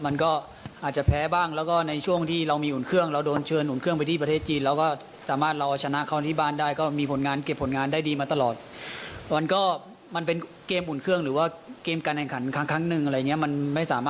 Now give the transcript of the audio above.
แล้วสองทีมก็เปลี่ยนแปลงพอสมควรครับ